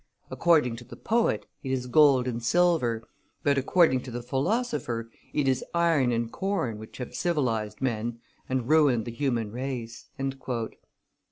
. according to the poet it is gold and silver, but according to the philosopher it is iron and corn which have civilized men and ruined the human race."